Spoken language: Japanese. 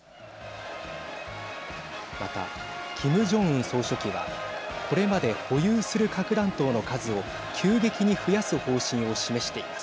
また、キム・ジョンウン総書記はこれまで保有する核弾頭の数を急激に増やす方針を示しています。